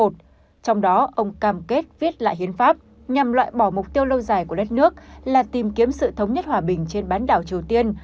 trong đó ông cam kết viết lại hiến pháp nhằm loại bỏ mục tiêu lâu dài của đất nước là tìm kiếm sự thống nhất hòa bình trên bán đảo triều tiên